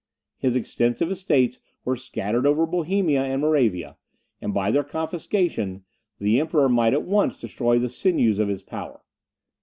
His extensive estates were scattered over Bohemia and Moravia; and by their confiscation, the Emperor might at once destroy the sinews of his power.